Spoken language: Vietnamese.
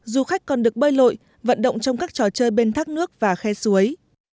du khách còn được bơi lội vận động trong các trò chơi bên thác nước và khe suối